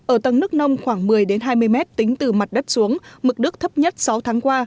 ở tầng nước nông khoảng một mươi hai mươi mét tính từ mặt đất xuống mực nước thấp nhất sáu tháng qua